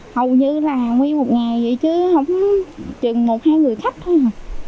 hầu như là nguyên một ngày vậy chứ không chừng một hai người khách thôi